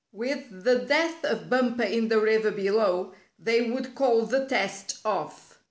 With the death of Bumper in the river below, they would call the test off.